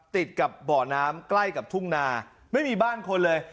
ติดกับบ่อน้ำใกล้กับทุ่งนาไม่มีบ้านคนเลย